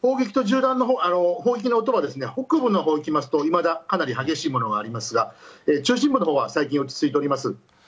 砲撃の音は北部の方に行きますといまだかなり激しいものがありますが中心部の方は最近落ち着いております。